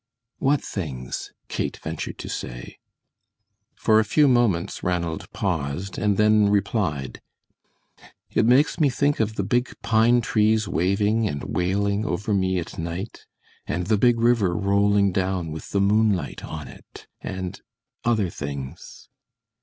"What things?" Kate ventured to say. For a few moments Ranald paused, and then replied: "It makes me think of the big pine trees waving and wailing over me at night, and the big river rolling down with the moonlight on it and other things."